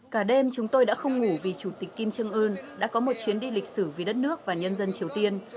cả đêm chúng tôi đã không ngủ vì chủ tịch kim trương ưn đã có một chuyến đi lịch sử vì đất nước và nhân dân triều tiên